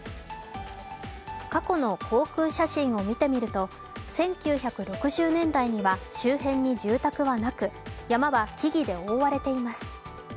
過去の航空写真を見てみると、１９６０年代には周辺に住宅はなく山は木々で覆われています。